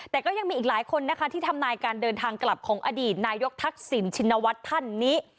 แต่ก็ยังมีอีกหลายคนนะคะที่ทำนายการเดินทางกลับของอดีตนายกทักษิณชินวัฒน์ท่านนี้